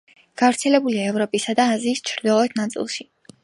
გავრცელებულია ევროპისა და აზიის ჩრდილოეთ ნაწილში.